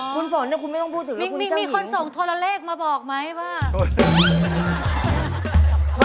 คุณศรนิยะคุณไม่ต้องพูดถึงว่าคุณเจ้าหิงมิ่งมีคนส่งโทรเลกมาบอกไหมว่า